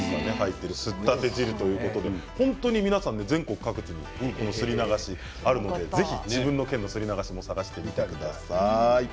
本当に皆さん全国各地にすり流しがあるのでぜひ自分の県のすり流しを探してみてください。